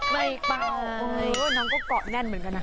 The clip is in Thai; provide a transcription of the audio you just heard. น้ำก็เกาะแน่นเหมือนกันนะ